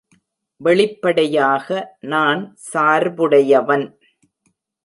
வெளிப்படையாக நான் சார்புடையவன்.